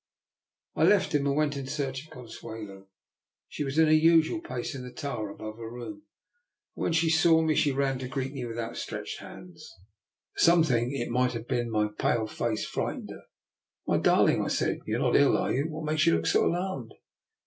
I left him and went in search of Consuelo. She was in her usual place in the tower above her room, and when she saw me, she ran to g reet me with outstretched hands. Some DR. NIKOLA'S EXPERIMENT. 295 thing — ^it might have been my pale face — frightened her. " My darling," I said, " you are not ill, are you? What makes you look so alarmed?